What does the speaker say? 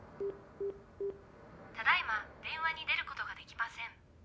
ただ今電話に出ることができません。